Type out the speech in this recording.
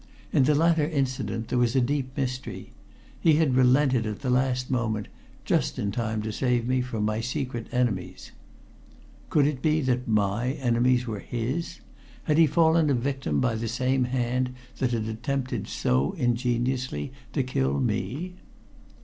In the latter incident there was a deep mystery. He had relented at the last moment, just in time to save me from my secret enemies. Could it be that my enemies were his? Had he fallen a victim by the same hand that had attempted so ingeniously to kill me?